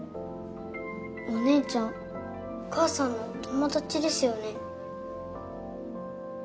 お姉ちゃんお母さんのお友達ですよね？